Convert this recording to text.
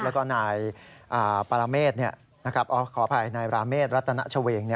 แล้วก็นายปรเมฆขออภัยนายราเมฆรัตนชเวง